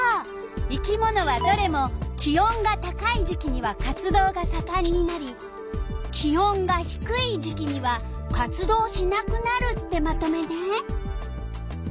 生き物はどれも気温が高い時期には活動がさかんになり気温がひくい時期には活動しなくなるってまとめね。